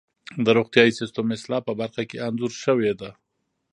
د روغتیايي سیستم اصلاح په برخه کې انځور شوې ده.